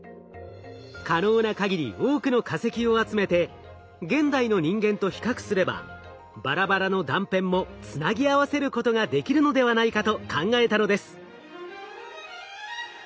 可能な限り多くの化石を集めて現代の人間と比較すればバラバラの断片もつなぎ合わせることができるのではないかと考えたのです。